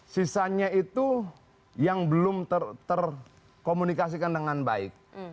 sisanya itu yang belum terkomunikasikan dengan baik